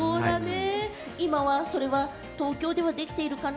今はそれは東京ではできているかな？